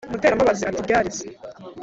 Muterambabazi atI"ryari se"